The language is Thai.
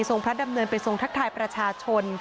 พระดำเนินไปทรงทักทายประชาชน